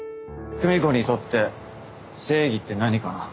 久美子にとって正義って何かな？